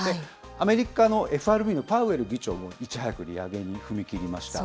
アメリカのＦＲＢのパウエル議長もいち早く利上げに踏み切りました。